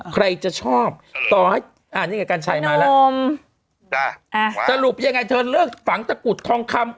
ใครจะชอบต่อให้อ่านี่เฉยกันใจมาแล้วสนมจ้าสรุปยังไงเธอเลิกฝังจักรกุฎทองคำ